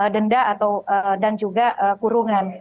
denda dan juga kurungan